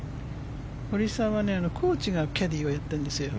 堀さんはコーチがキャディーをやってるんですよ。